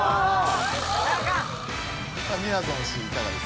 みやぞん氏いかがですか？